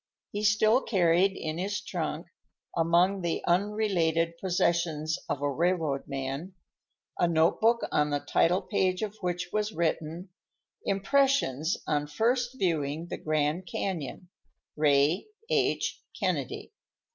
He still carried in his trunk, among the unrelated possessions of a railroad man, a notebook on the title page of which was written "Impressions on First Viewing the Grand Canyon, Ray H. Kennedy."